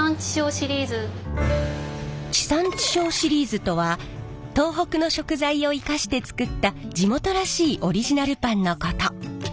地産地消シリーズとは東北の食材を生かして作った地元らしいオリジナルパンのこと。